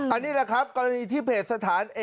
อันนี้แหละครับกรณีที่เพจสถาน